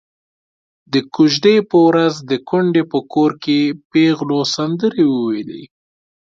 د کوژدې په ورځ د کونډې په کور کې پېغلو سندرې وويلې.